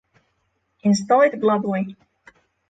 Install it globally